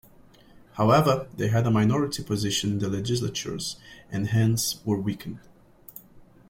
However, they had a minority position in the legislatures and hence were weakened.